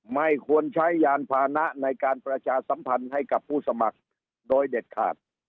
ไม่ควรใช้ยานพานะในการประชาสัมพันธ์ให้กับผู้สมัครโดยเด็ดขาด